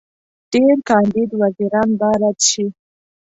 ډېر کاندید وزیران به رد شي.